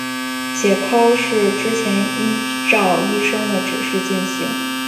解剖是之前依照医生的指示进行。